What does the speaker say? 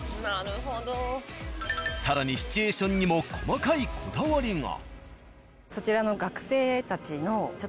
更にシチュエーションにも細かいこだわりが。